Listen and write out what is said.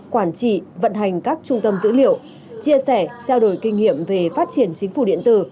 quản trị vận hành các trung tâm dữ liệu chia sẻ trao đổi kinh nghiệm về phát triển chính phủ điện tử